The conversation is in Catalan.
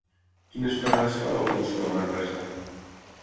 Quines parades fa l'autobús que va a Manresa?